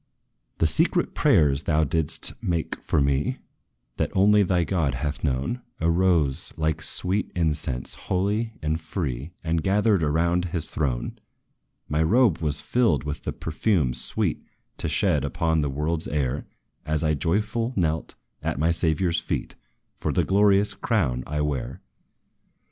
"The secret prayers, thou didst make for me, That only thy God hath known, Arose, like sweet incense, holy and free, And gathered around his throne. "My robe was filled with the perfume sweet To shed upon this world's air, As I joyful knelt, at my Saviour's feet, For the glorious crown I wear.